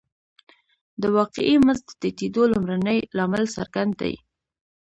د واقعي مزد د ټیټېدو لومړنی لامل څرګند دی